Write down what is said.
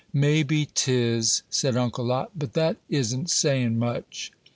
"Maybe 'tis," said Uncle Lot; "but that isn't sayin' much."